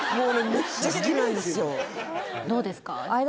めっちゃ好きなんですよどうですか？